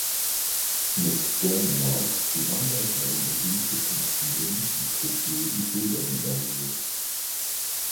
Mit Dänemark gewann er bei den Olympischen Spielen in Tokio die Silbermedaille.